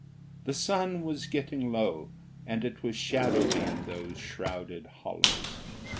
The sun was getting low and it was shadowy in those shrouded hollows.